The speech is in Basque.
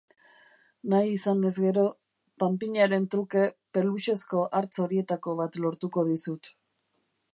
Nahi izanez gero, panpinaren truke peluxezko hartz horietako bat lortuko dizut.